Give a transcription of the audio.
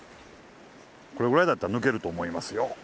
これぐらいだったら抜けると思いますよ